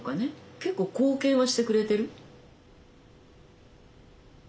結構貢献はしてくれてる。